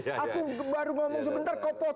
aku baru ngomong sebentar kau potong